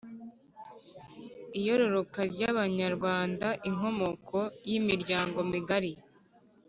Iyororoka ry’Abanyarwanda, Inkomoko y’imiryango migari